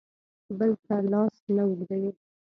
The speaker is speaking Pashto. بل ته لاس نه اوږدوي.